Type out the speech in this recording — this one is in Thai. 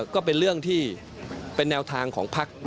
ก็เป็นเรื่องที่เป็นแนวทางของพัก